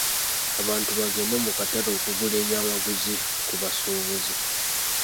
Abantu bagende mu katale okugula ebyamaguzi ku basuubuzi.